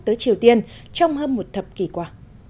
tới triều tiên trong hơn một thập kỷ qua